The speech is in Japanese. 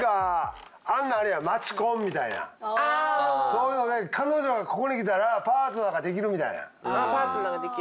そういうのでここに来たらパートナーができるみたいな。